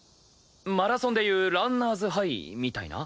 マラソンでいうランナーズハイみたいな？